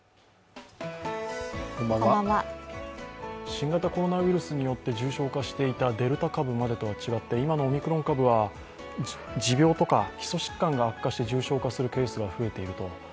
新型コロナウイルスによって重症化していたデルタ株までとは違って今のオミクロン株は持病とか基礎疾患が悪化して重症化するケースが増えていると。